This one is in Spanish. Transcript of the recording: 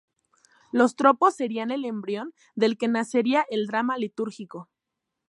Los tropos serían el embrión del que nacería el drama litúrgico.